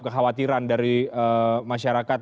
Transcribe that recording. kekhawatiran dari masyarakat